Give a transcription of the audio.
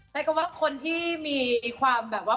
ใช้คำว่าคนที่มีความแบบว่า